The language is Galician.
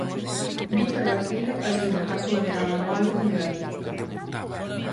Vítor Vaqueiro asina a súa entrada no "Álbum de Galicia".